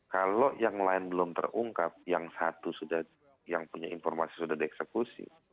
kalau yang lain belum terungkap yang satu yang punya informasi sudah dieksekusi